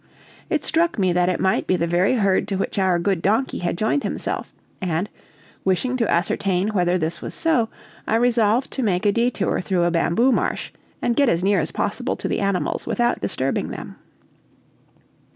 It struck me that it might be the very herd to which our good donkey had joined himself; and, wishing to ascertain whether this was so, I resolved to make a detour through a bamboo marsh, and get as near as possible to the animals without disturbing them.